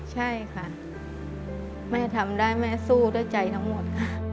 ใช่ค่ะแม่ทำได้แม่สู้ด้วยใจทั้งหมด